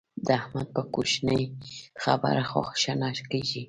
د احمد په کوشنۍ خبره خوا شنه کېږي.